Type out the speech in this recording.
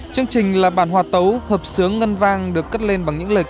chương trình là bản hòa tấu hợp sướng ngân vang được cất lên bằng những lời